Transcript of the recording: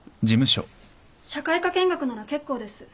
社会科見学なら結構です。